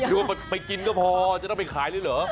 เอาไปกินก็พอจะต้องไปขายเลยเหรอ